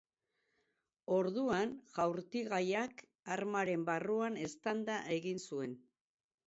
Orduan, jaurtigaiak armaren barruan eztanda egin zuen.